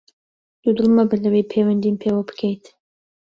دوودڵ مەبە لەوەی پەیوەندیم پێوە بکەیت!